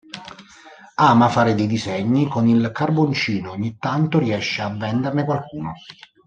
Ama fare dei disegni con il carboncino e ogni tanto riesce a venderne qualcuno.